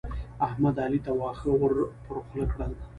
احمد؛ علي ته واښه ور پر خوله کړل.